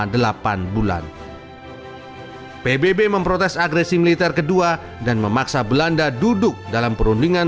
delapan bulan pbb memprotes agresi militer kedua dan memaksa belanda duduk dalam perundingan